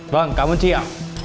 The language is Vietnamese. vâng cảm ơn chị ạ